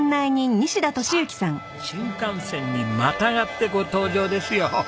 さあ新幹線にまたがってご登場ですよ。